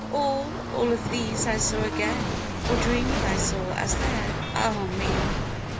All, all of these I saw again, Or dreamed I saw, as there, ah me!